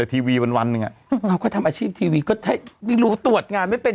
ทีวีวันวันหนึ่งอ่ะเอาก็ทำอาชีพทีวีก็ไม่รู้ตรวจงานไม่เป็น